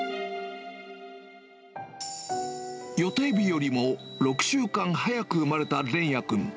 予定日よりも６週間早く生まれた連也くん。